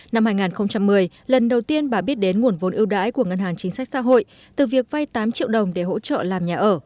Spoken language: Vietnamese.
năm hai nghìn một mươi lần đầu tiên bà biết đến nguồn vốn ưu đãi của ngân hàng chính sách xã hội từ việc vay tám triệu đồng để hỗ trợ làm nhà ở